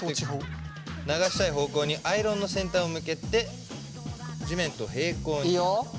流したい方向にアイロンの先端を向けて地面と平行に。